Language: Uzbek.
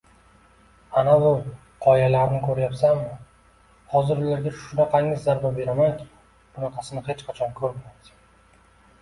– Anavi qoyalarni ko‘ryapsanmi? Hozir ularga shunaqangi zarba beramanki, bunaqasini hech qachon ko‘rmagansan